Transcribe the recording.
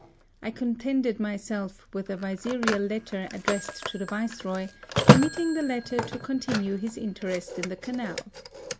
I con tented myself with a vizierial letter ad dressed to the Viceroy, permitting the latter to continue his interest in the Canal.